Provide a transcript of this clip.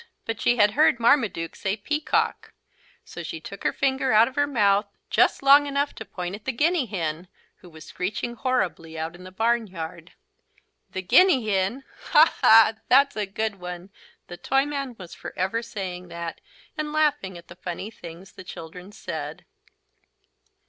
But she had heard Marmaduke say "Peacock," so she took her finger out of her mouth just long enough to point at the Guinea hen, who was screeching horribly out in the barnyard. "The Guinea hen! Ha, ha! That's a good one!" The Toyman was forever saying that and laughing at the funny things the children said.